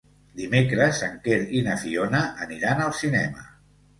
Dimecres en Quer i na Fiona aniran al cinema.